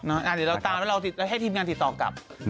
อ่ะเดี่ยวเราตามแล้วได้ทีมงานติดตามกับ